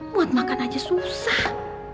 buat makan aja susah